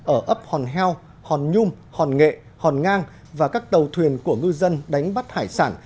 ở ấp hòn heo hòn nhung hòn nghệ hòn ngang và các tàu thuyền của ngư dân đánh bắt hải sản